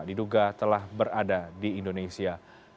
diduga telah berada di indonesia